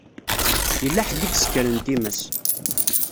Yella ḥedd i isekren times.